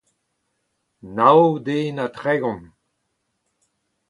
nav den ha tregont.